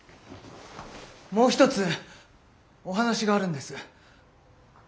もう一つお話があるんです。